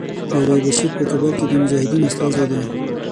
مولوي بشیر په کابل کې د مجاهدینو استازی دی.